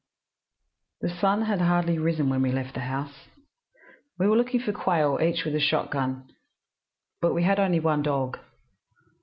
II "...The sun had hardly risen when we left the house. We were looking for quail, each with a shotgun, but we had only one dog.